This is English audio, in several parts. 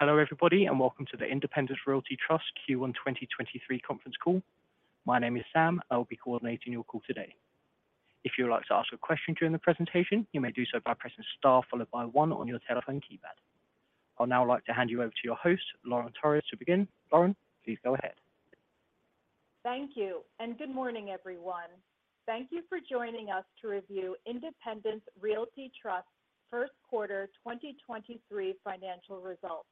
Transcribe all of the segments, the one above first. Hello everybody. Welcome to the Independence Realty Trust Q1 2023 conference call. My name is Sam. I'll be coordinating your call today. If you would like to ask a question during the presentation, you may do so by pressing star followed by one on your telephone keypad. I'll now like to hand you over to your host, Lauren Torres, to begin. Lauren, please go ahead. Thank you, and good morning, everyone. Thank you for joining us to review Independence Realty Trust first quarter 2023 financial results.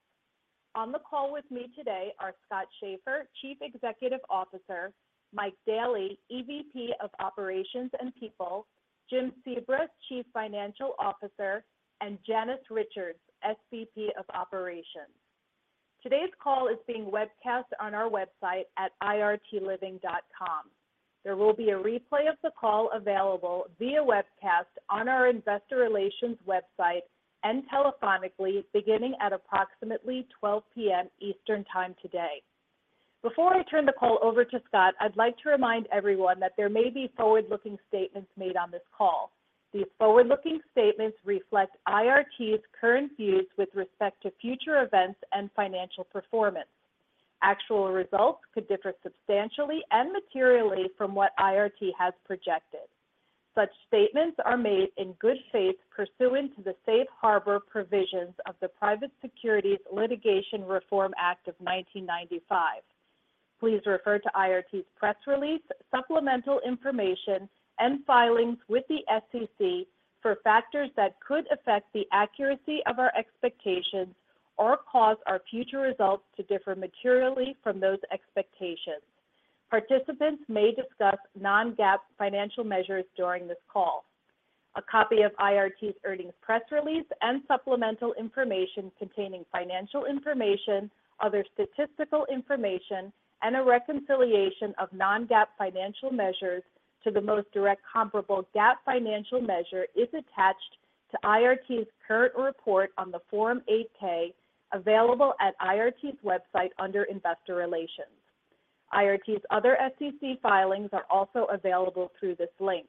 On the call with me today are Scott Schaeffer, Chief Executive Officer, Mike Daley, EVP of Operations and People, Jim Sebra, Chief Financial Officer, and Janice Richards, SVP of Operations. Today's call is being webcast on our website at irtliving.com. There will be a replay of the call available via webcast on our Investor Relations website and telephonically beginning at approximately 12:00 P.M. Eastern Time today. Before I turn the call over to Scott, I'd like to remind everyone that there may be forward-looking statements made on this call. These forward-looking statements reflect IRT's current views with respect to future events and financial performance. Actual results could differ substantially and materially from what IRT has projected. Such statements are made in good faith pursuant to the Safe Harbor provisions of the Private Securities Litigation Reform Act of 1995. Please refer to IRT's press release, supplemental information, and filings with the SEC for factors that could affect the accuracy of our expectations or cause our future results to differ materially from those expectations. Participants may discuss non-GAAP financial measures during this call. A copy of IRT's earnings press release and supplemental information containing financial information, other statistical information, and a reconciliation of non-GAAP financial measures to the most direct comparable GAAP financial measure is attached to IRT's current report on the Form 8-K available at IRT's website under Investor Relations. IRT's other SEC filings are also available through this link.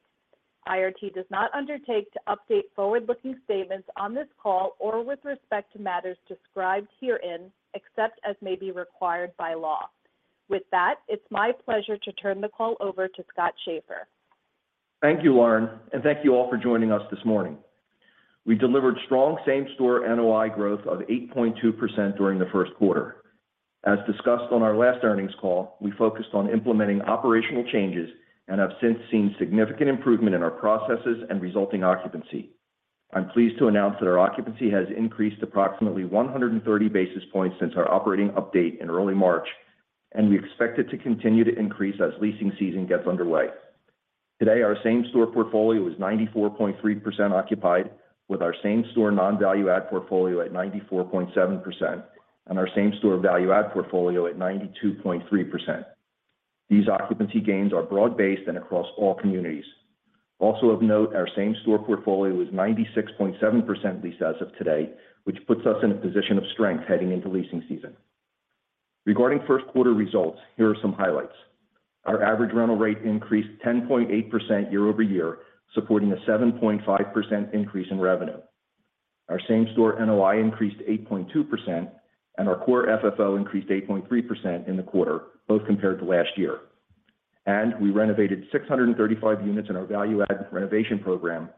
IRT does not undertake to update forward-looking statements on this call or with respect to matters described herein, except as may be required by law. With that, it's my pleasure to turn the call over to Scott Schaeffer. Thank you, Lauren, thank you all for joining us this morning. We delivered strong same-store NOI growth of 8.2% during the first quarter. As discussed on our last earnings call, we focused on implementing operational changes and have since seen significant improvement in our processes and resulting occupancy. I'm pleased to announce that our occupancy has increased approximately 130 basis points since our operating update in early March, and we expect it to continue to increase as leasing season gets underway. Today, our Same-Store portfolio is 94.3% occupied, with our same-store non-value-add portfolio at 94.7% and our same-store value-add portfolio at 92.3%. These occupancy gains are broad-based and across all communities. Of note, our Same-Store portfolio is 96.7% leased as of today, which puts us in a position of strength heading into leasing season. Regarding first quarter results, here are some highlights. Our average rental rate increased 10.8% year-over-year, supporting a 7.5% increase in revenue. Our same-store NOI core FFO increased 8.3% in the quarter, both compared to last year. We renovated 635 units in our value-add renovation program,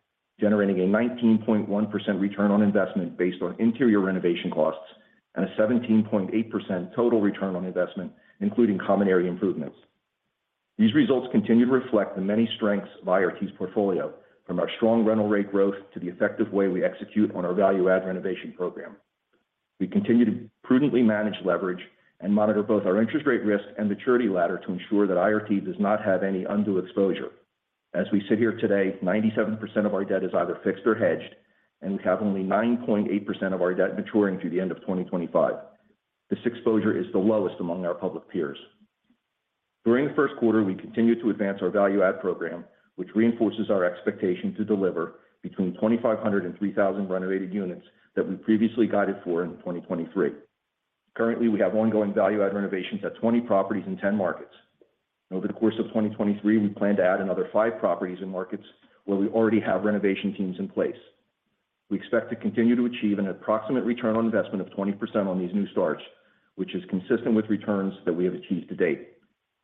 generating a 19.1% ROI based on interior renovation costs and a 17.8% total ROI, including common area improvements. These results continue to reflect the many strengths of IRT's portfolio, from our strong rental rate growth to the effective way we execute on our value-add renovation program. We continue to prudently manage leverage and monitor both our interest rate risk and maturity ladder to ensure that IRT does not have any undue exposure. As we sit here today, 97% of our debt is either fixed or hedged, we have only 9.8% of our debt maturing through the end of 2025. This exposure is the lowest among our public peers. During the first quarter, we continued to advance our value-add program, which reinforces our expectation to deliver between 2,500 and 3,000 renovated units that we previously guided for in 2023. Currently, we have ongoing value-add renovations at 20 properties in 10 markets. Over the course of 2023, we plan to add another five properties in markets where we already have renovation teams in place. We expect to continue to achieve an approximate return on investment of 20% on these new starts, which is consistent with returns that we have achieved to date.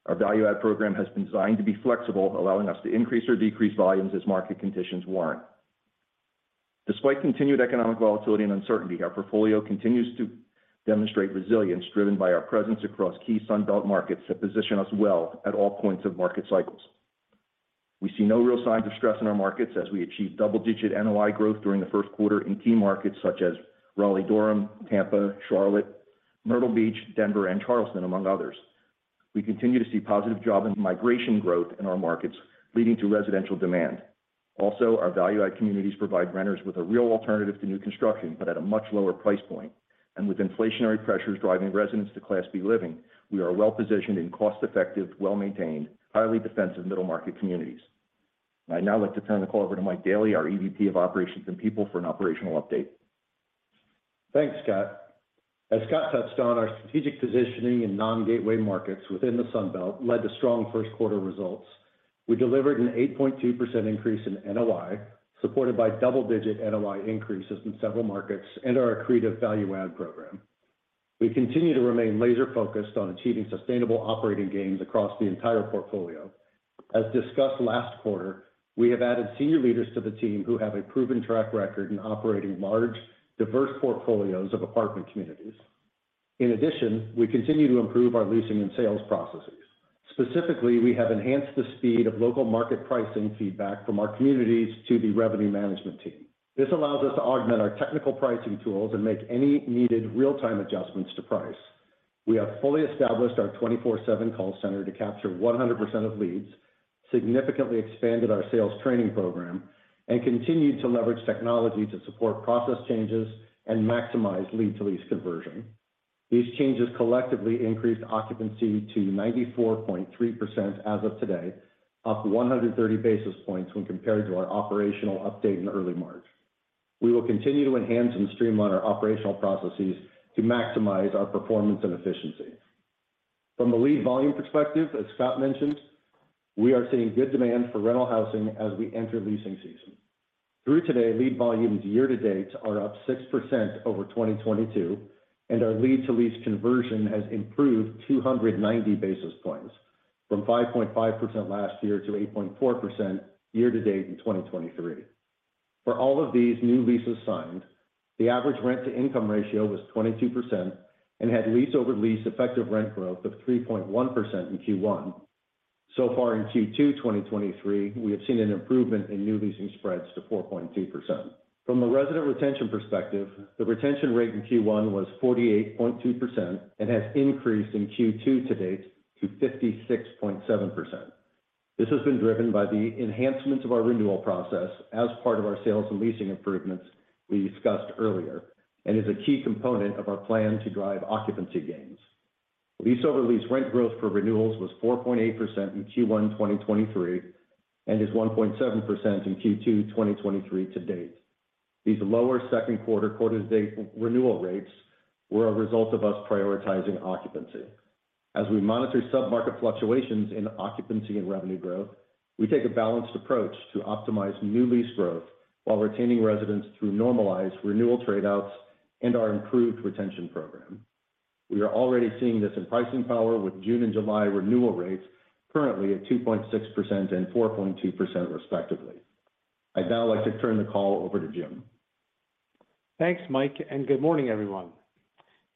Our value-add program has been designed to be flexible, allowing us to increase or decrease volumes as market conditions warrant. Despite continued economic volatility and uncertainty, our portfolio continues to demonstrate resilience driven by our presence across key Sunbelt markets that position us well at all points of market cycles. We see no real signs of stress in our markets as we achieve double-digit NOI growth during the first quarter in key markets such as Raleigh-Durham, Tampa, Charlotte, Myrtle Beach, Denver, and Charleston, among others. We continue to see positive job and migration growth in our markets, leading to residential demand. Our value-add communities provide renters with a real alternative to new construction, but at a much lower price point. With inflationary pressures driving residents to Class B living, we are well positioned in cost-effective, well-maintained, highly defensive middle-market communities. I'd now like to turn the call over to Mike Daley, our EVP of Operations and People, for an operational update. Thanks, Scott. As Scott touched on, our strategic positioning in non-gateway markets within the Sunbelt led to strong first quarter results. We delivered an 8.2% increase in NOI, supported by double-digit NOI increases in several markets and our accretive value-add program. We continue to remain laser focused on achieving sustainable operating gains across the entire portfolio. As discussed last quarter, we have added senior leaders to the team who have a proven track record in operating large, diverse portfolios of apartment communities. In addition, we continue to improve our leasing and sales processes. Specifically, we have enhanced the speed of local market pricing feedback from our communities to the revenue management team. This allows us to augment our technical pricing tools and make any needed real-time adjustments to price. We have fully established our 24/7 call center to capture 100% of leads, significantly expanded our sales training program, and continued to leverage technology to support process changes and maximize lead-to-lease conversion. These changes collectively increased occupancy to 94.3% as of today, up 130 basis points when compared to our operational update in early March. We will continue to enhance and streamline our operational processes to maximize our performance and efficiency. From the lead volume perspective, as Scott mentioned, we are seeing good demand for rental housing as we enter leasing season. Through today, lead volumes year to date are up 6% over 2022, and our lead-to-lease conversion has improved 290 basis points from 5.5% last year to 8.4% year to date in 2023. For all of these new leases signed, the average rent to income ratio was 22% and had lease over lease effective rent growth of 3.1% in Q1. So far in Q2 2023, we have seen an improvement in new leasing spreads to 4.2%. From a resident retention perspective, the retention rate in Q1 was 48.2% and has increased in Q2 to date to 56.7%. This has been driven by the enhancements of our renewal process as part of our sales and leasing improvements we discussed earlier, and is a key component of our plan to drive occupancy gains. Lease over lease rent growth for renewals was 4.8% in Q1 2023 and is 1.7% in Q2 2023 to date. These lower second quarter to date renewal rates were a result of us prioritizing occupancy. As we monitor submarket fluctuations in occupancy and revenue growth, we take a balanced approach to optimize new lease growth while retaining residents through normalized renewal trade-outs and our improved retention program. We are already seeing this in pricing power with June and July renewal rates currently at 2.6% and 4.2% respectively. I'd now like to turn the call over to Jim. Thanks, Mike, and good morning, everyone.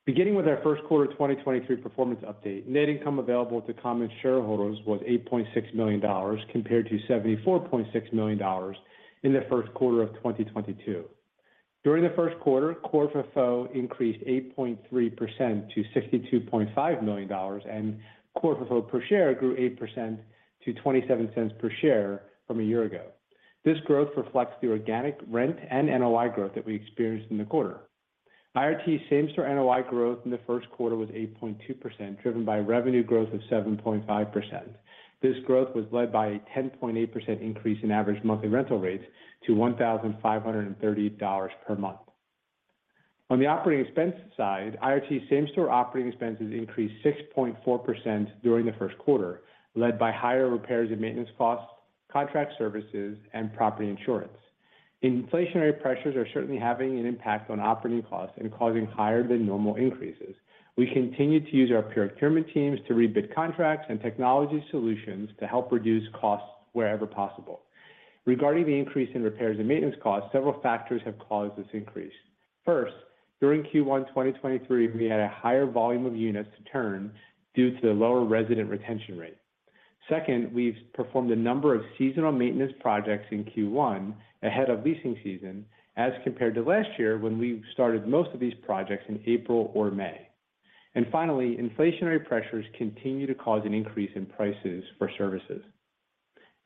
Beginning with our first quarter 2023 performance update, net income available to common shareholders was $8.6 million compared to $74.6 million in the first quarter of 2022. During core FFO increased 8.3% to core FFO per share grew 8% to $0.27 per share from a year ago. This growth reflects the organic rent and NOI growth that we experienced in the quarter. IRT same-store NOI growth in the first quarter was 8.2%, driven by revenue growth of 7.5%. This growth was led by a 10.8% increase in average monthly rental rates to $1,530 per month. On the operating expense side, IRT same-store operating expenses increased 6.4% during the first quarter, led by higher repairs and maintenance costs, contract services, and property insurance. Inflationary pressures are certainly having an impact on operating costs and causing higher than normal increases. We continue to use our procurement teams to rebid contracts and technology solutions to help reduce costs wherever possible. Regarding the increase in repairs and maintenance costs, several factors have caused this increase. First, during Q1 2023, we had a higher volume of units to turn due to the lower resident retention rate. Second, we've performed a number of seasonal maintenance projects in Q1 ahead of leasing season as compared to last year when we started most of these projects in April or May. Finally, inflationary pressures continue to cause an increase in prices for services.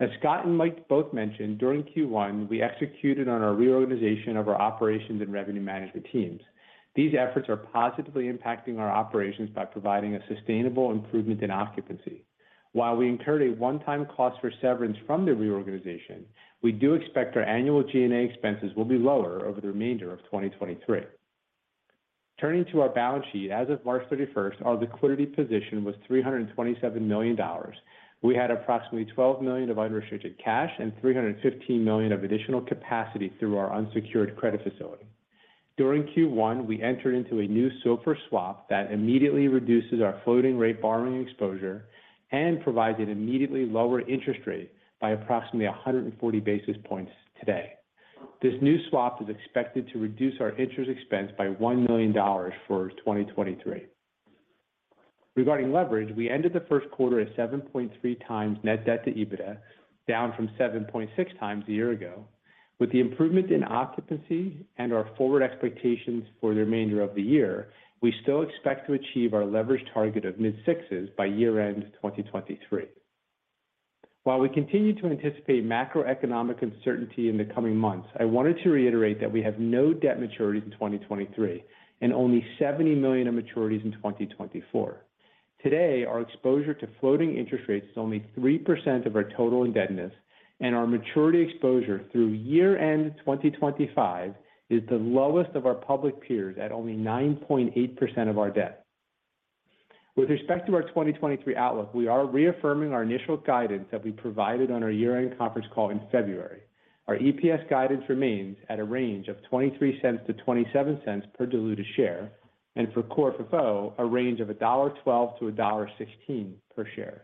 As Scott and Mike both mentioned, during Q1, we executed on our reorganization of our operations and revenue management teams. These efforts are positively impacting our operations by providing a sustainable improvement in occupancy. While we incurred a one-time cost for severance from the reorganization, we do expect our annual G&A expenses will be lower over the remainder of 2023. Turning to our balance sheet, as of March 31st, our liquidity position was $327 million. We had approximately $12 million of unrestricted cash and $315 million of additional capacity through our unsecured credit facility. During Q1, we entered into a new SOFR swap that immediately reduces our floating rate borrowing exposure and provides an immediately lower interest rate by approximately 140 basis points today. This new swap is expected to reduce our interest expense by $1 million for 2023. Regarding leverage, we ended the first quarter at 7.3x net debt to EBITDA, down from 7.6x a year ago. With the improvement in occupancy and our forward expectations for the remainder of the year, we still expect to achieve our leverage target of mid-sixes by year-end 2023. While we continue to anticipate macroeconomic uncertainty in the coming months, I wanted to reiterate that we have no debt maturities in 2023 and only $70 million in maturities in 2024. Today, our exposure to floating interest rates is only 3% of our total indebtedness, and our maturity exposure through year-end 2025 is the lowest of our public peers at only 9.8% of our debt. With respect to our 2023 outlook, we are reaffirming our initial guidance that we provided on our year-end conference call in February. Our EPS guidance remains at a range of $0.23-$0.27 per diluted core FFO, a range of $1.12-$1.16 per share.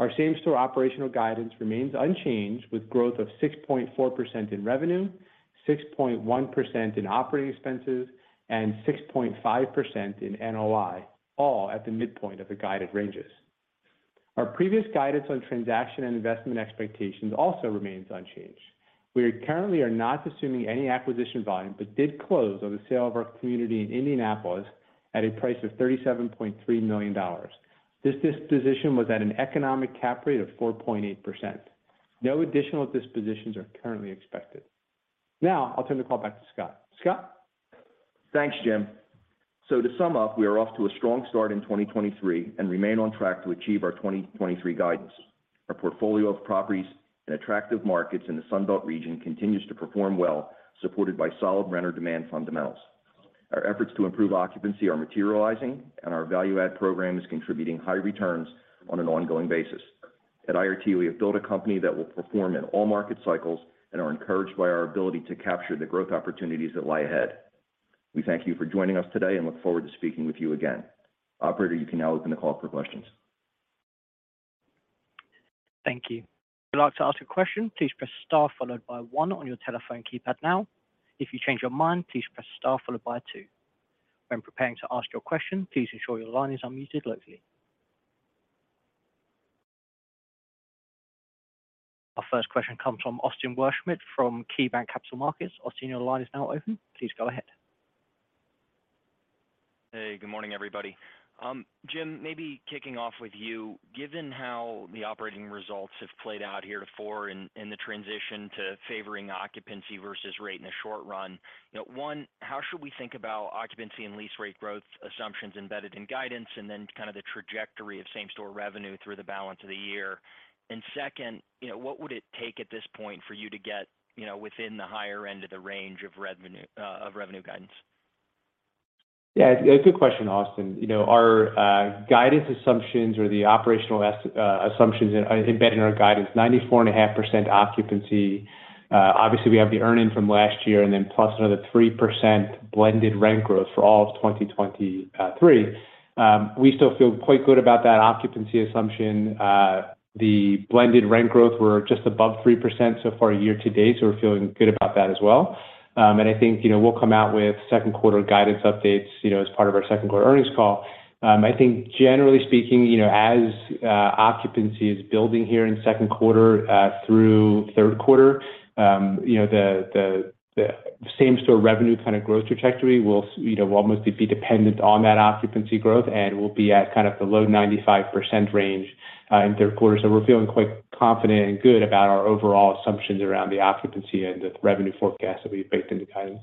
Our same-store operational guidance remains unchanged with growth of 6.4% in revenue, 6.1% in operating expenses, and 6.5% in NOI, all at the midpoint of the guided ranges. Our previous guidance on transaction and investment expectations also remains unchanged. We currently are not assuming any acquisition volume. Did close on the sale of our community in Indianapolis at a price of $37.3 million. This disposition was at an economic cap rate of 4.8%. No additional dispositions are currently expected. I'll turn the call back to Scott. Scott? Thanks, Jim. To sum up, we are off to a strong start in 2023 and remain on track to achieve our 2023 guidance. Our portfolio of properties in attractive markets in the Sunbelt region continues to perform well, supported by solid renter demand fundamentals. Our efforts to improve occupancy are materializing, and our value-add program is contributing high returns on an ongoing basis. At IRT, we have built a company that will perform in all market cycles and are encouraged by our ability to capture the growth opportunities that lie ahead. We thank you for joining us today and look forward to speaking with you again. Operator, you can now open the call for questions. Thank you. If you'd like to ask a question, please press star followed by one on your telephone keypad now. If you change your mind, please press star followed by two. When preparing to ask your question, please ensure your line is unmuted locally. Our first question comes from Austin Wurschmidt from KeyBanc Capital Markets. Austin, your line is now open. Please go ahead. Hey, good morning, everybody. Jim, maybe kicking off with you. Given how the operating results have played out here to for in the transition to favoring occupancy versus rate in the short run, you know, one, how should we think about occupancy and lease rate growth assumptions embedded in guidance and then kind of the trajectory of same-store revenue through the balance of the year? Second, you know, what would it take at this point for you to get, you know, within the higher end of the range of revenue guidance? Good question, Austin. You know, our guidance assumptions or the operational assumptions embedded in our guidance, 94.5% occupancy. Obviously we have the earn-in from last year and then plus another 3% blended rent growth for all of 2023. We still feel quite good about that occupancy assumption. The blended rent growth, we're just above 3% so far year to date, so we're feeling good about that as well. I think, you know, we'll come out with second quarter guidance updates, you know, as part of our second quarter earnings call. I think generally speaking, you know, as occupancy is building here in second quarter, through third quarter, you know, the, the same-store revenue kind of growth trajectory will, you know, will mostly be dependent on that occupancy growth and will be at kind of the low 95% range, in third quarter. We're feeling quite confident and good about our overall assumptions around the occupancy end of revenue forecast that we've baked into guidance.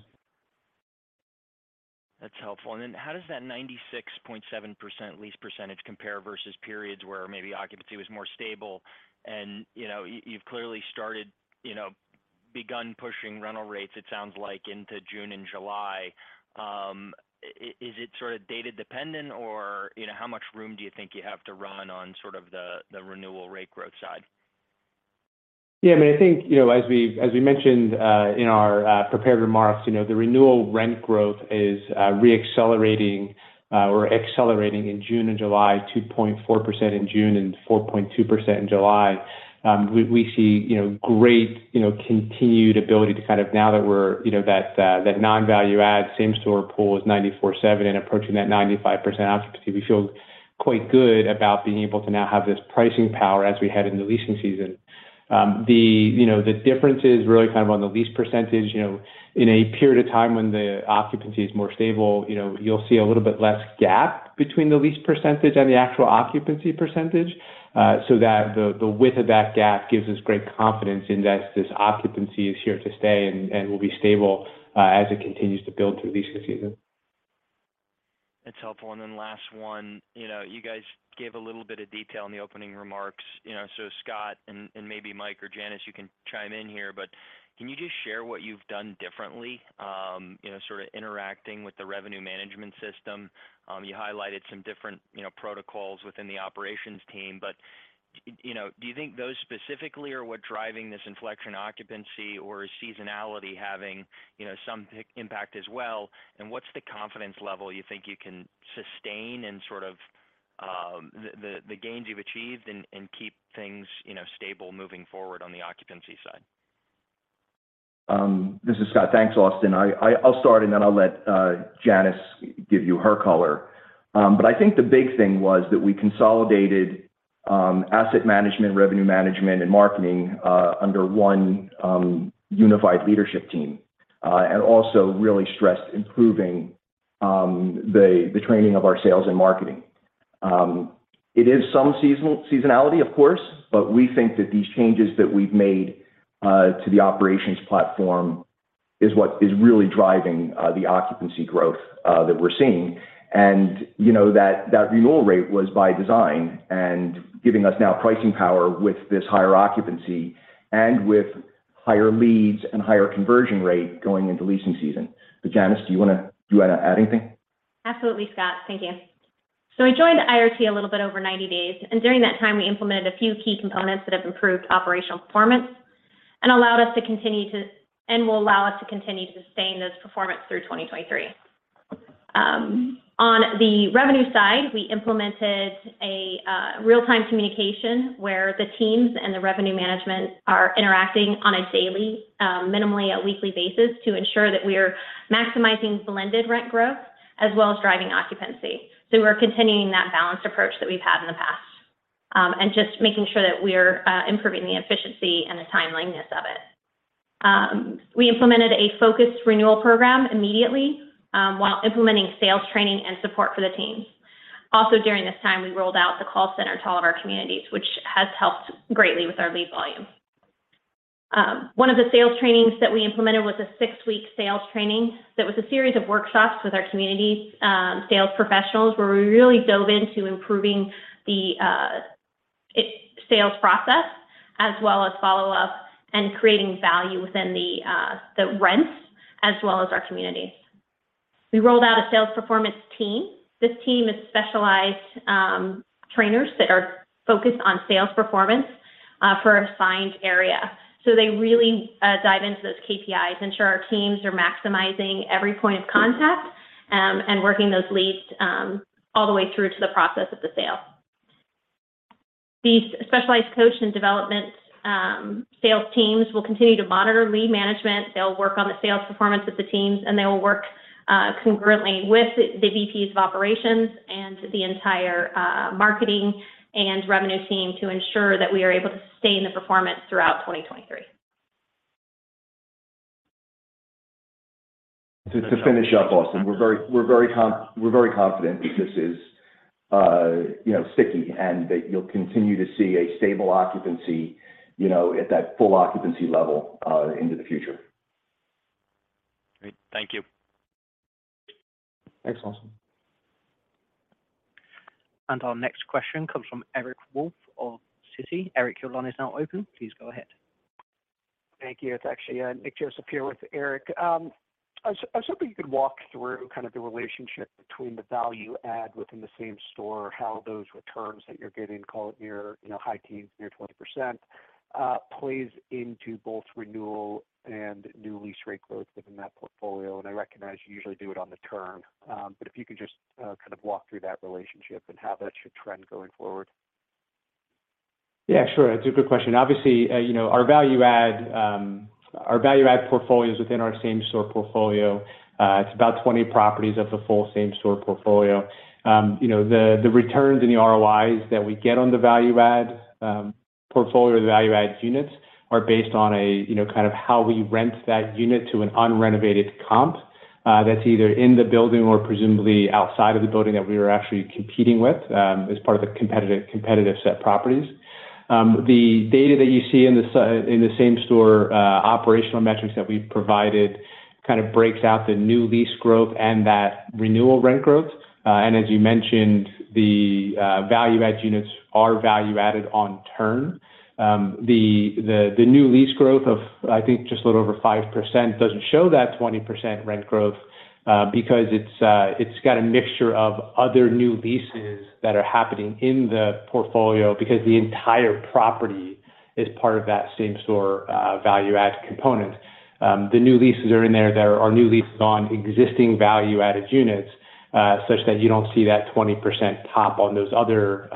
That's helpful. How does that 96.7% lease percentage compare versus periods where maybe occupancy was more stable and, you know, you've clearly started, you know, begun pushing rental rates, it sounds like, into June and July. Is it sort of data dependent or, you know, how much room do you think you have to run on sort of the renewal rate growth side? Yeah. I mean, I think, you know, as we mentioned, in our prepared remarks, you know, the renewal rent growth is re-accelerating or accelerating in June and July, 2.4% in June and 4.2% in July. We see, you know, great, you know, continued ability to kind of now that we're, you know, that non-value-add same-store pool is 94.7% and approaching that 95% occupancy. We feel quite good about being able to now have this pricing power as we head in the leasing season. The, you know, the difference is really kind of on the lease percentage, you know. In a period of time when the occupancy is more stable, you know, you'll see a little bit less gap between the lease percentage and the actual occupancy percentage, so that the width of that gap gives us great confidence in that this occupancy is here to stay and will be stable, as it continues to build through leasing season. That's helpful. Then last one. You know, you guys gave a little bit of detail in the opening remarks. You know, Scott, and maybe Mike or Janice, you can chime in here, but can you just share what you've done differently, you know, sort of interacting with the revenue management system? You highlighted some different, you know, protocols within the operations team. You know, do you think those specifically are what driving this inflection occupancy or is seasonality having, you know, some impact as well? What's the confidence level you think you can sustain in sort of the gains you've achieved and keep things, you know, stable moving forward on the occupancy side? This is Scott. Thanks, Austin. I'll start, and then I'll let Janice give you her color. I think the big thing was that we consolidated asset management, revenue management, and marketing under one unified leadership team. Also really stressed improving the training of our sales and marketing. It is some seasonality, of course, but we think that these changes that we've made to the operations platform is what is really driving the occupancy growth that we're seeing. You know, that renewal rate was by design and giving us now pricing power with this higher occupancy and with Higher leads and higher conversion rate going into leasing season. Janice, do you want to add anything? Absolutely, Scott. Thank you. We joined IRT a little bit over 90 days, and during that time, we implemented a few key components that have improved operational performance and allowed us to continue to sustain those performance through 2023. On the revenue side, we implemented a real-time communication where the teams and the revenue management are interacting on a daily, minimally a weekly basis to ensure that we are maximizing blended rent growth as well as driving occupancy. We're continuing that balanced approach that we've had in the past, and just making sure that we're improving the efficiency and the timeliness of it. We implemented a focused renewal program immediately, while implementing sales training and support for the teams. Also, during this time, we rolled out the call center to all of our communities, which has helped greatly with our lead volume. One of the sales trainings that we implemented was a six-week sales training that was a series of workshops with our community sales professionals, where we really dove into improving the sales process as well as follow-up and creating value within the rents as well as our communities. We rolled out a sales performance team. This team is specialized trainers that are focused on sales performance for assigned area. They really dive into those KPIs, ensure our teams are maximizing every point of contact and working those leads all the way through to the process of the sale. These specialized coach and development sales teams will continue to monitor lead management. They'll work on the sales performance of the teams, and they will work concurrently with the VPs of operations and the entire marketing and revenue team to ensure that we are able to sustain the performance throughout 2023. To finish up, Austin, we're very confident that this is, you know, sticky, and that you'll continue to see a stable occupancy, you know, at that full occupancy level, into the future. Great. Thank you. Thanks, Austin. Our next question comes from Eric Wolfe of Citi. Eric, your line is now open. Please go ahead. Thank you. It's actually, Nick Joseph here with Eric. I was hoping you could walk through kind of the relationship between the value-add within the Same-Store, how those returns that you're getting, call it near, you know, high teens, near 20%, plays into both renewal and new lease rate growth within that portfolio. I recognize you usually do it on the term, but if you could just kind of walk through that relationship and how that should trend going forward. Yeah, sure. It's a good question. Obviously, you know, our value-add portfolios within our Same-Store portfolio, it's about 20 properties of the full same-store portfolio. You know, the returns and the ROIs that we get on the value-add portfolio, the value-add units are based on a, you know, kind of how we rent that unit to an unrenovated comp, that's either in the building or presumably outside of the building that we were actually competing with as part of the competitive set properties. The data that you see in the same-store operational metrics that we've provided kind of breaks out the new lease growth and that renewal rent growth. As you mentioned, the value-add units are value added on turn. The new lease growth of, I think just a little over 5% doesn't show that 20% rent growth because it's got a mixture of other new leases that are happening in the portfolio because the entire property is part of that same-store value-add component. The new leases are in there that are new leases on existing value-add units, such that you don't see that 20% top on those other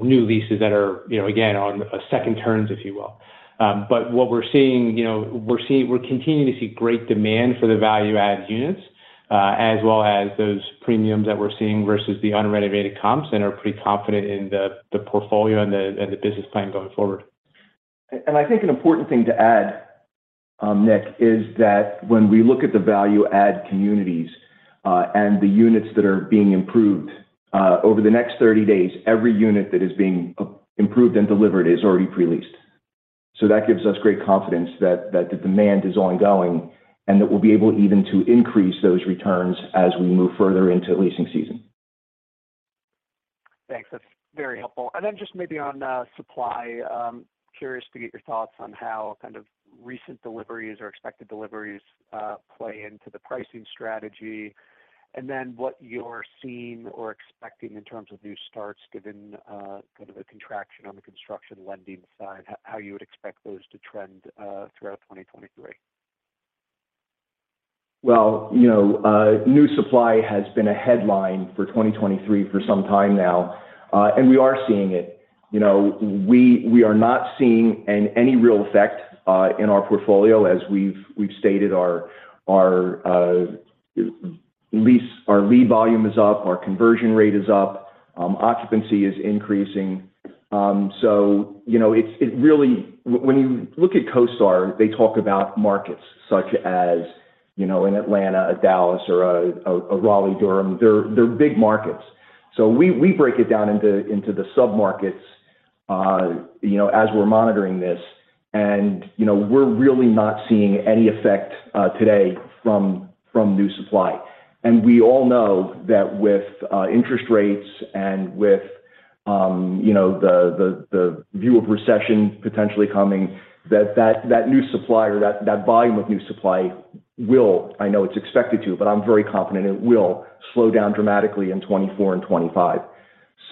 new leases that are, you know, again, on second turns, if you will. What we're seeing, you know, we're continuing to see great demand for the value-add units, as well as those premiums that we're seeing versus the unrenovated comps and are pretty confident in the portfolio and the business plan going forward. I think an important thing to add, Nick, is that when we look at the value-add communities, and the units that are being improved, over the next 30 days, every unit that is being improved and delivered is already pre-leased. That gives us great confidence that the demand is ongoing and that we'll be able even to increase those returns as we move further into leasing season. Thanks. That's very helpful. Then just maybe on supply, curious to get your thoughts on how kind of recent deliveries or expected deliveries play into the pricing strategy, and then what you're seeing or expecting in terms of new starts given kind of the contraction on the construction lending side, how you would expect those to trend throughout 2023. Well, you know, new supply has been a headline for 2023 for some time now, and we are seeing it. You know, we are not seeing any real effect in our portfolio. As we've stated our lead volume is up, our conversion rate is up, occupancy is increasing. So you know, it's, it really. When you look at CoStar, they talk about markets such as, you know, an Atlanta, a Dallas or a Raleigh-Durham. They're big markets. So we break it down into the submarkets, you know, as we're monitoring this. You know, we're really not seeing any effect today from new supply. We all know that with interest rates and with You know, the view of recession potentially coming that new supply or that volume of new supply I know it's expected to, but I'm very confident it will slow down dramatically in 2024 and 2025.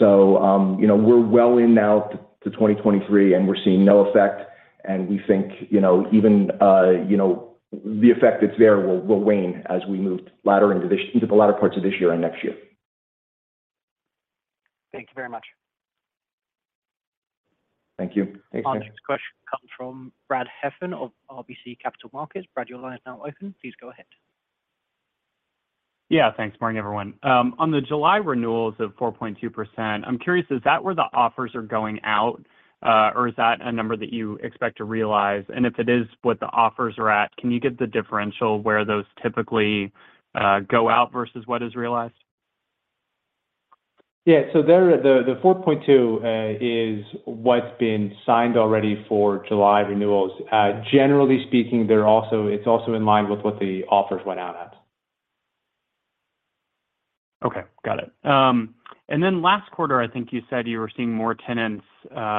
You know, we're well in now to 2023, and we're seeing no effect, and we think, you know, even, you know, the effect that's there will wane as we move latter into the latter parts of this year and next year. Thank you very much. Thank you. Our next question comes from Brad Heffern of RBC Capital Markets. Brad, your line is now open. Please go ahead. Yeah, thanks. Morning, everyone. On the July renewals of 4.2%, I'm curious, is that where the offers are going out, or is that a number that you expect to realize? If it is what the offers are at, can you give the differential where those typically go out versus what is realized? Yeah. There, the 4.2% is what's been signed already for July renewals. Generally speaking, it's also in line with what the offers went out as. Okay. Got it. Last quarter, I think you said you were seeing more tenants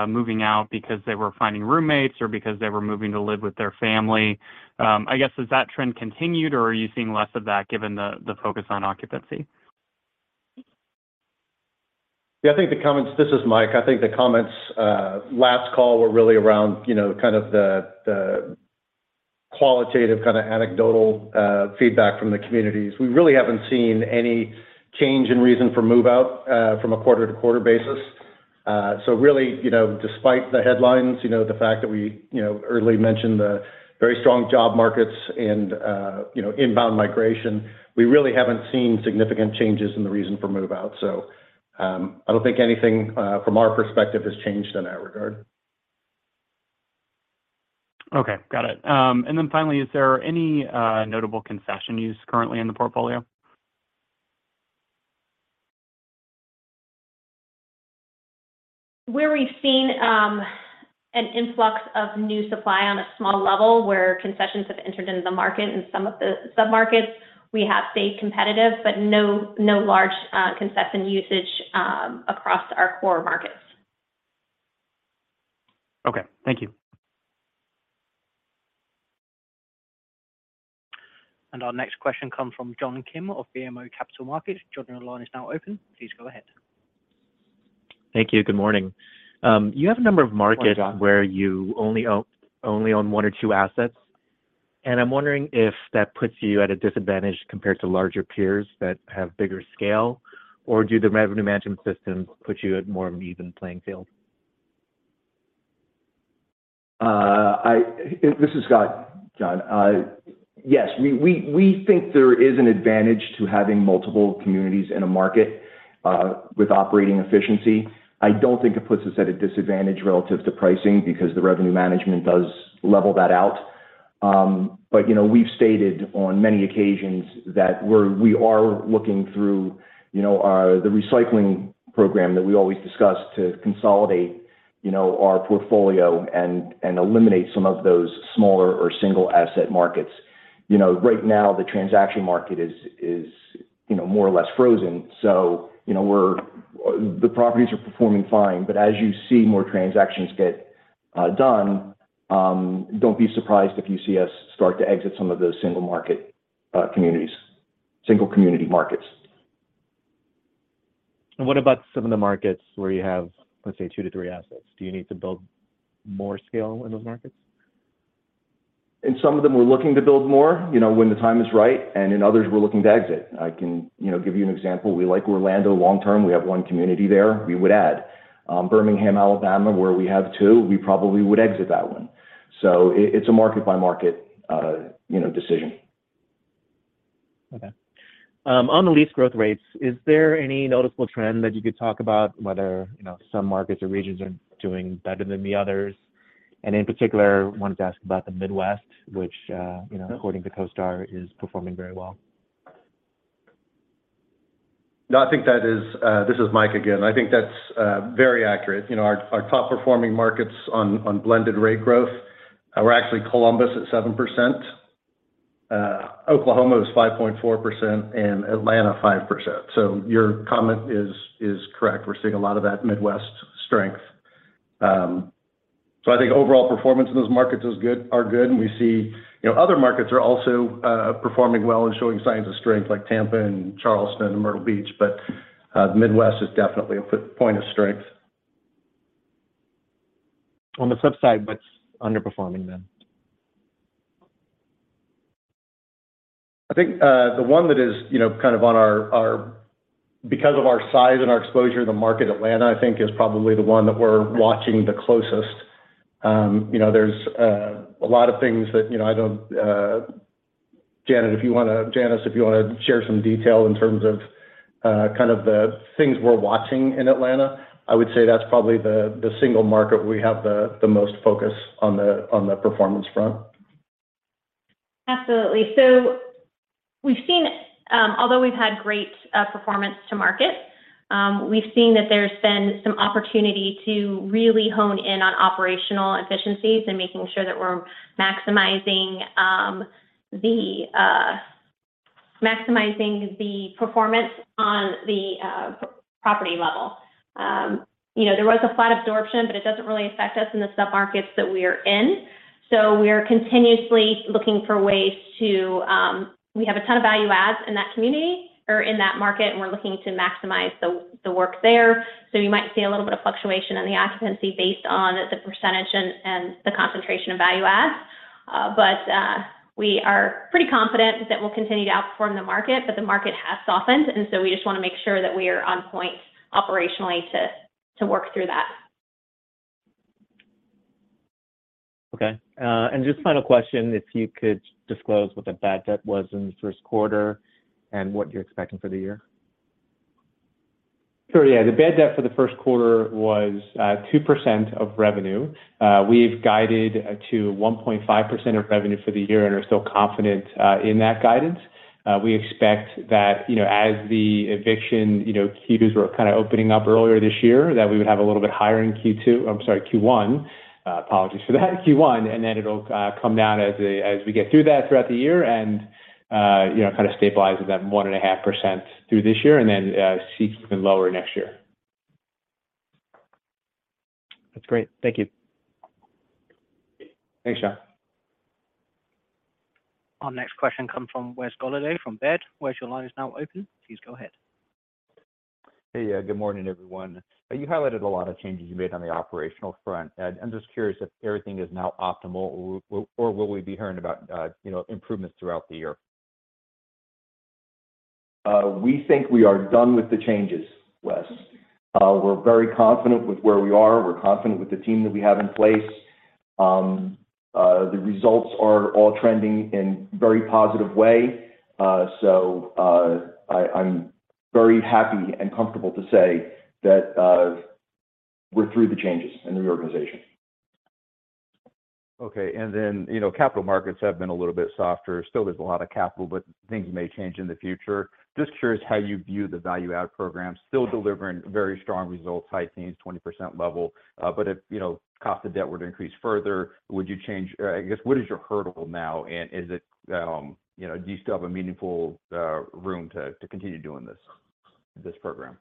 moving out because they were finding roommates or because they were moving to live with their family. Has that trend continued, or are you seeing less of that given the focus on occupancy? I think the comments. This is Mike. I think the comments last call were really around, you know, kind of the qualitative kind of anecdotal feedback from the communities. We really haven't seen any change in reason for move-out from a quarter-to-quarter basis. Really, you know, despite the headlines, you know, the fact that we, you know, early mentioned the very strong job markets and, you know, inbound migration, we really haven't seen significant changes in the reason for move-out. I don't think anything from our perspective has changed in that regard. Okay. Got it. Then finally, is there any notable concession use currently in the portfolio? Where we've seen, an influx of new supply on a small level where concessions have entered into the market in some of the sub-markets, we have stayed competitive, but no large, concession usage, across our core markets. Okay. Thank you. Our next question comes from John Kim of BMO Capital Markets. John, your line is now open. Please go ahead. Thank you. Good morning. You have a number of. Morning, John. where you only own one or two assets, and I'm wondering if that puts you at a disadvantage compared to larger peers that have bigger scale, or do the revenue management systems put you at more of an even playing field? This is Scott, John. Yes, we think there is an advantage to having multiple communities in a market with operating efficiency. I don't think it puts us at a disadvantage relative to pricing because the revenue management does level that out. We've stated on many occasions that we are looking through, you know, the recycling program that we always discuss to consolidate, you know, our portfolio and eliminate some of those smaller or single asset markets. You know, right now the transaction market is, you know, more or less frozen. The properties are performing fine, but as you see more transactions get done, don't be surprised if you see us start to exit some of those single market communities, single community markets. What about some of the markets where you have, let's say, two to three assets? Do you need to build more scale in those markets? In some of them, we're looking to build more, you know, when the time is right, and in others, we're looking to exit. I can, you know, give you an example. We like Orlando long term. We have one community there. We would add. Birmingham, Alabama, where we have two, we probably would exit that one. It's a market by market, you know, decision. Okay. On the lease growth rates, is there any noticeable trend that you could talk about whether, you know, some markets or regions are doing better than the others? In particular, wanted to ask about the Midwest, which, you know, according to CoStar, is performing very well. I think that is... this is Mike again. I think that's very accurate. You know, our top performing markets on blended rent growth are actually Columbus at 7%, Oklahoma is 5.4%, and Atlanta 5%. Your comment is correct. We're seeing a lot of that Midwest strength. I think overall performance in those markets are good, and we see, you know, other markets are also performing well and showing signs of strength like Tampa and Charleston and Myrtle Beach, the Midwest is definitely a point of strength. On the flip side, what's underperforming then? I think, the one that is, you know, kind of on our because of our size and our exposure to the market, Atlanta, I think, is probably the one that we're watching the closest. you know, there's a lot of things that, you know, I don't, Janice, if you wanna share some detail in terms of kind of the things we're watching in Atlanta, I would say that's probably the single market we have the most focus on the performance front. Absolutely. We've seen although we've had great performance to market, we've seen that there's been some opportunity to really hone in on operational efficiencies and making sure that we're maximizing the performance on the property level. You know, there was a flat absorption, but it doesn't really affect us in the sub-markets that we are in. We are continuously looking for ways to. We have a ton of value adds in that community or in that market, and we're looking to maximize the work there. You might see a little bit of fluctuation in the occupancy based on the percentage and the concentration of value adds. We are pretty confident that we'll continue to outperform the market, but the market has softened, and so we just wanna make sure that we are on point operationally to work through that. Okay. Just final question, if you could disclose what the bad debt was in the first quarter and what you're expecting for the year? Sure, yeah. The bad debt for the first quarter was 2% of revenue. We've guided to 1.5% of revenue for the year and are still confident in that guidance. We expect that, you know, as the eviction, you know, queues were kind of opening up earlier this year, that we would have a little bit higher in Q1. I'm sorry, Q1. Apologies for that, and then it'll come down as we get through that throughout the year and, you know, kind of stabilizes at 1.5% through this year and then seeks even lower next year. That's great. Thank you. Thanks, John. Our next question comes from Wes Golladay from Baird. Wes, your line is now open. Please go ahead. Hey. Good morning, everyone. You highlighted a lot of changes you made on the operational front. I'm just curious if everything is now optimal or will we be hearing about, you know, improvements throughout the year? We think we are done with the changes, Wes. We're very confident with where we are. We're confident with the team that we have in place. The results are all trending in very positive way. I'm very happy and comfortable to say that we're through the changes in the organization. Okay. You know, capital markets have been a little bit softer. Still there's a lot of capital, but things may change in the future. Just curious how you view the value-add program. Still delivering very strong results, high teens, 20% level. If, you know, cost of debt were to increase further, would you change... I guess, what is your hurdle now? Is it, you know, do you still have a meaningful room to continue doing this program?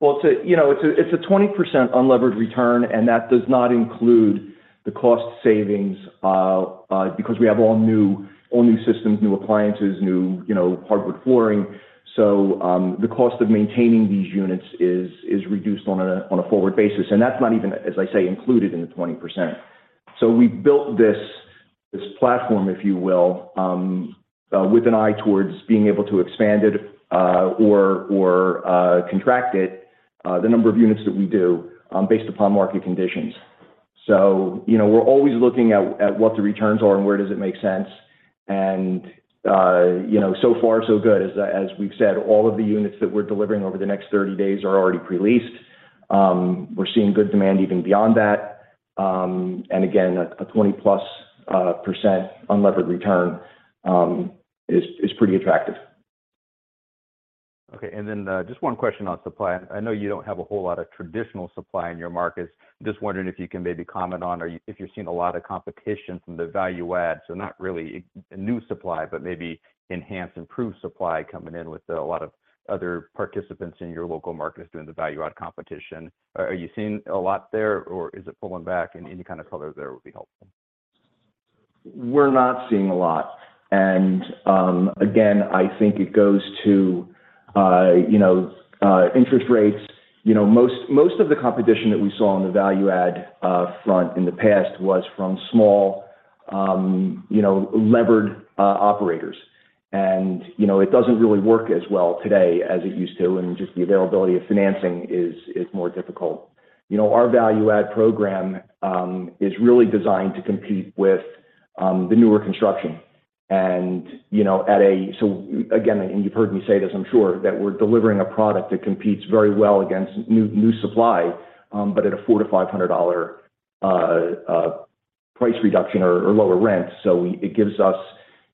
Well, you know, it's a 20% unlevered return. That does not include the cost savings, because we have all new systems, new appliances, new, you know, hardwood flooring. The cost of maintaining these units is reduced on a, on a forward basis. That's not even, as I say, included in the 20%. We built this platform, if you will, with an eye towards being able to expand it, or contract it, the number of units that we do, based upon market conditions. You know, we're always looking at what the returns are and where does it make sense. You know, so far so good. As we've said, all of the units that we're delivering over the next 30 days are already pre-leased. We're seeing good demand even beyond that. Again, a 20+% unlevered return is pretty attractive. Okay. Then just one question on supply. I know you don't have a whole lot of traditional supply in your markets. Just wondering if you can maybe comment on or if you're seeing a lot of competition from the value-adds. Not really new supply, but maybe enhanced, improved supply coming in with a lot of other participants in your local markets doing the value-add competition. Are you seeing a lot there or is it pulling back? Any kind of color there would be helpful. We're not seeing a lot. Again, I think it goes to, you know, interest rates. You know, most of the competition that we saw on the value-add front in the past was from small, you know, levered operators. You know, it doesn't really work as well today as it used to, and just the availability of financing is more difficult. You know, our value-add program is really designed to compete with the newer construction. Again, and you've heard me say this, I'm sure, that we're delivering a product that competes very well against new supply, but at a $400-$500 price reduction or lower rent. It gives us,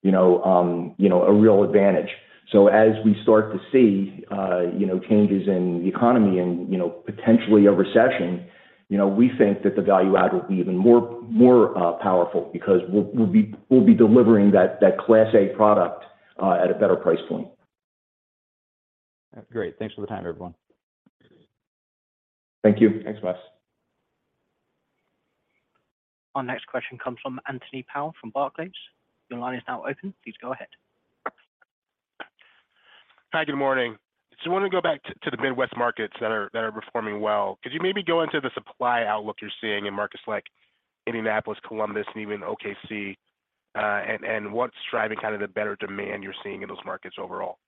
you know, a real advantage. As we start to see, you know, changes in the economy and, you know, potentially a recession, you know, we think that the value-add will be even more powerful because we'll be delivering that Class A product, at a better price point. Great. Thanks for the time, everyone. Thank you. Thanks, Wes. Our next question comes from Anthony Powell from Barclays. Your line is now open. Please go ahead. Hi, good morning. I wanna go back to the Midwest markets that are performing well. Could you maybe go into the supply outlook you're seeing in markets like Indianapolis, Columbus, and even OKC, and what's driving kind of the better demand you're seeing in those markets overall?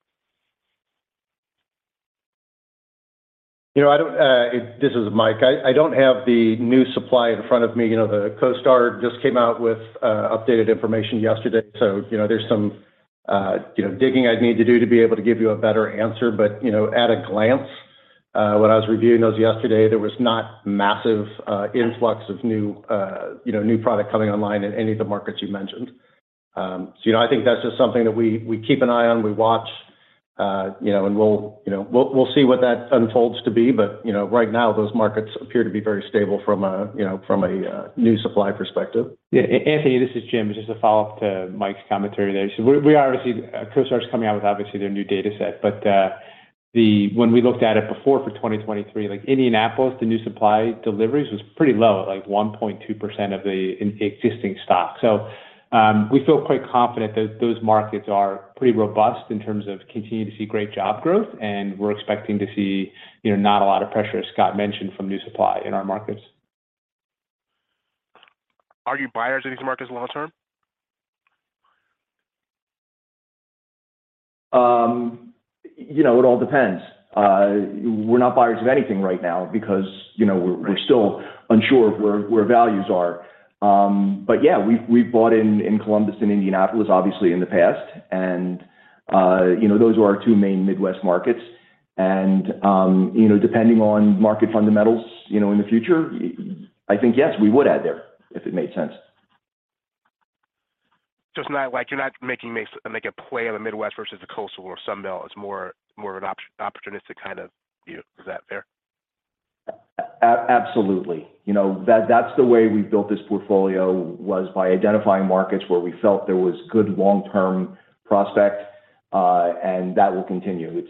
You know, I don't. This is Mike Daley. I don't have the new supply in front of me. You know, CoStar just came out with updated information yesterday. You know, there's some, you know, digging I'd need to do to be able to give you a better answer. You know, at a glance, when I was reviewing those yesterday, there was not massive influx of new, you know, new product coming online in any of the markets you mentioned. You know, I think that's just something that we keep an eye on, we watch. You know, and we'll, you know, we'll see what that unfolds to be. You know, right now, those markets appear to be very stable from a, you know, from a new supply perspective. Yeah. Anthony, this is Jim, just a follow-up to Mike's commentary there. We obviously CoStar's coming out with obviously their new data set. When we looked at it before for 2023, like Indianapolis, the new supply deliveries was pretty low, at like 1.2% of the existing stock. We feel quite confident that those markets are pretty robust in terms of continuing to see great job growth, and we're expecting to see, you know, not a lot of pressure, as Scott mentioned, from new supply in our markets. Are you buyers in these markets long term? You know, it all depends. We're not buyers of anything right now because, you know, we're still unsure of where values are. Yeah, we've bought in Columbus and Indianapolis, obviously, in the past. You know, those are our two main Midwest markets. You know, depending on market fundamentals, you know, in the future, I think yes, we would add there if it made sense. It's not like you're not making make a play on the Midwest versus the Coastal or Sunbelt. It's more of an opportunistic kind of view. Is that fair? Absolutely. You know, that's the way we built this portfolio was by identifying markets where we felt there was good long-term prospect, that will continue.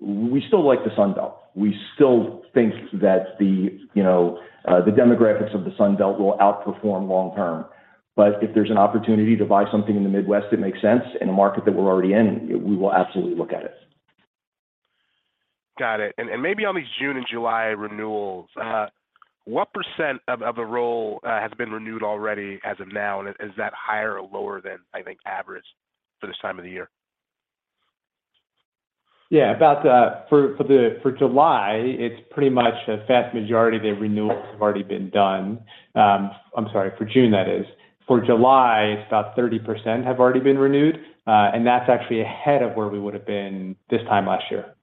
We still like the Sunbelt. We still think that the, you know, the demographics of the Sunbelt will outperform long term. If there's an opportunity to buy something in the Midwest that makes sense in a market that we're already in, we will absolutely look at it. Got it. Maybe on these June and July renewals, what percent of the roll has been renewed already as of now? Is that higher or lower than, I think, average for this time of the year? Yeah. About For July, it's pretty much a vast majority of the renewals have already been done. I'm sorry, for June, that is. For July, it's about 30% have already been renewed. That's actually ahead of where we would have been this time last year.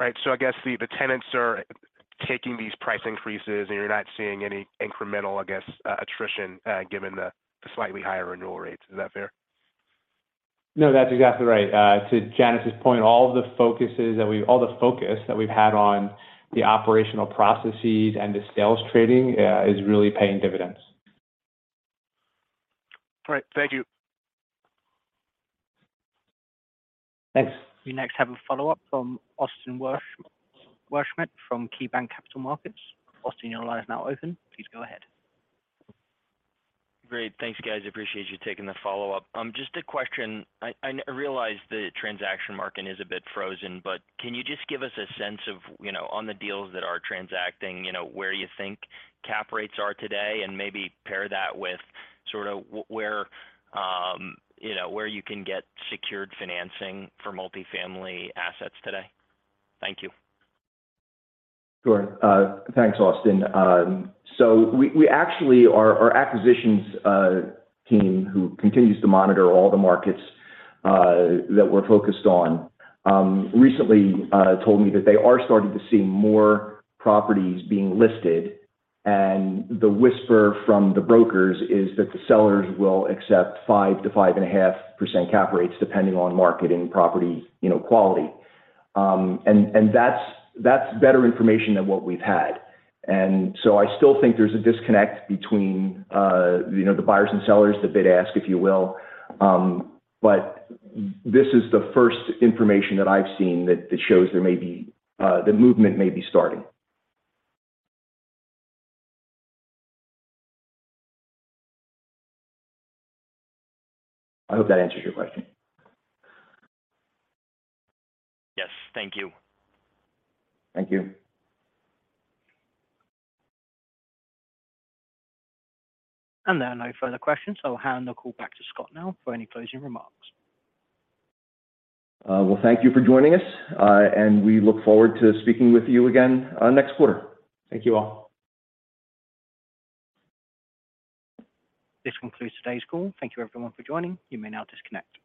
Right. I guess the tenants are taking these price increases, and you're not seeing any incremental, I guess attrition given the slightly higher renewal rates. Is that fair? No, that's exactly right. To Janice's point, all the focus that we've had on the operational processes and the sales trading is really paying dividends. All right. Thank you. Thanks. We next have a follow-up from Austin Wurschmidt from KeyBanc Capital Markets. Austin, your line is now open. Please go ahead. Great. Thanks, guys. Appreciate you taking the follow-up. Just a question. I realize the transaction market is a bit frozen, but can you just give us a sense of, you know, on the deals that are transacting, you know, where you think cap rates are today, and maybe pair that with sort of where, you know, where you can get secured financing for multifamily assets today? Thank you. Sure. Thanks, Austin. Our acquisitions team who continues to monitor all the markets that we're focused on, recently told me that they are starting to see more properties being listed, and the whisper from the brokers is that the sellers will accept 5%-5.5% cap rates depending on marketing property, you know, quality. That's better information than what we've had. I still think there's a disconnect between, you know, the buyers and sellers, the bid ask, if you will. This is the first information that I've seen that shows there may be the movement may be starting. I hope that answers your question. Yes. Thank you. Thank you. There are no further questions, so I'll hand the call back to Scott now for any closing remarks. Well, thank you for joining us, and we look forward to speaking with you again, next quarter. Thank you all. This concludes today's call. Thank you everyone for joining. You may now disconnect.